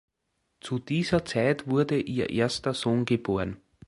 Zu dieser Zeit wurde ihr erster Sohn geboren.